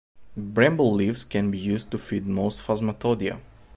Bramble leaves can be used to feed most Phasmatodea.